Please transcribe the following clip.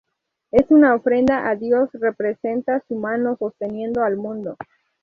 Es una ofrenda a Dios; representa su mano sosteniendo al mundo.